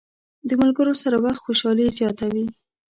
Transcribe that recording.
د ملګرو سره وخت خوشحالي زیاته وي.